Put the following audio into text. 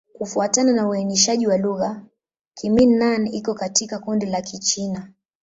Kufuatana na uainishaji wa lugha, Kimin-Nan iko katika kundi la Kichina.